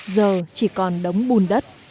giờ chỉ còn đóng bùn đất